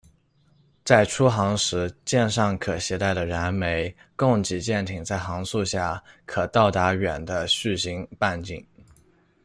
在出航时，舰上可携带的燃煤，供给舰艇在航速下，可到达远的续行半径。